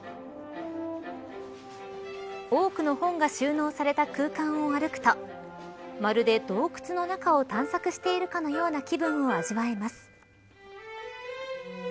多くの本が収納された空間を歩くとまるで、洞窟の中を探索しているかのような気分を味わえます。